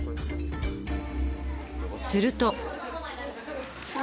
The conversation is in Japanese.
すると。